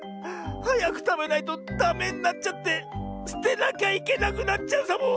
はやくたべないとダメになっちゃってすてなきゃいけなくなっちゃうサボ。